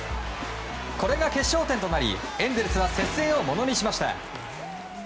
これが決勝点となりエンゼルスは接戦をものにしました。